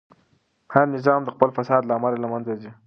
هر نظام د خپل فساد له امله له منځه ځي.